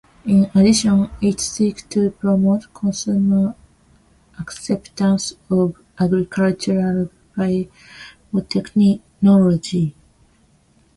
In addition it seeks to promote "consumer acceptance of agricultural biotechnology".